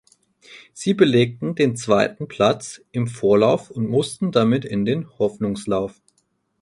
Sie belegten den zweiten Platz im Vorlauf und mussten damit in den Hoffnungslauf.